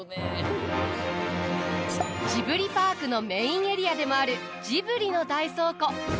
ジブリパークのメインエリアでもある「ジブリの大倉庫」。